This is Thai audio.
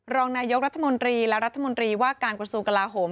รองนายกรัฐมนตรีและรัฐมนตรีว่าการกระทรวงกลาโหม